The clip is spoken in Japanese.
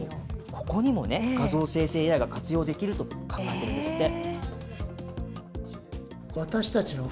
ここにもね、画像生成ＡＩが活用できると考えてるんですって。